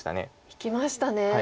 いきましたね。